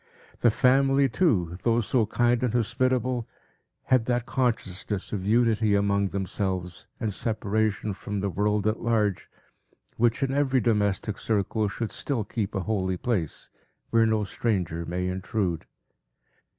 The family, too, though so kind and hospitable, had that consciousness of unity among themselves, and separation from the world at large, which, in every domestic circle, should still keep a holy place, where no stranger may intrude.